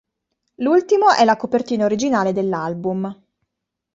L'ultimo è la copertina originale dell'album.